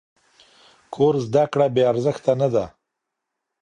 کور زده کړه بې ارزښته نه ده.